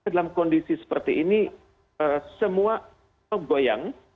dalam kondisi seperti ini semua goyang